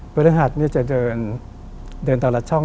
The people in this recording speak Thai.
ปลื้อหัตต์เตอร์ลัดช่อง